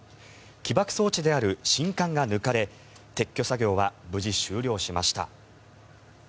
起爆装置である信管が抜かれ撤去作業は無事、終了しました。